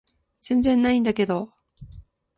全然ないんだけど